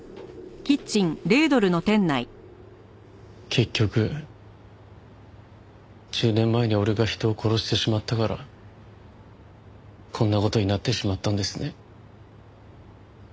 結局１０年前に俺が人を殺してしまったからこんな事になってしまったんですね。